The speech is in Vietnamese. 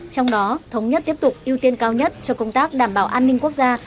trong đó thống nhất tiếp tục ưu tiên cao nhất cho công tác đảm bảo an ninh quốc gia